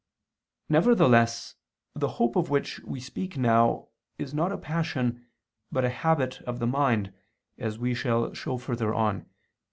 Nevertheless, the hope of which we speak now, is not a passion but a habit of the mind, as we shall show further on (A.